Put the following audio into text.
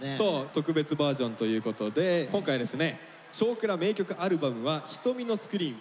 特別バージョンということで今回ですね「少クラ名曲アルバム」は「瞳のスクリーン」